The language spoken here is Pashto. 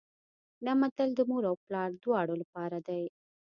دا متل د مور او پلار دواړو لپاره دی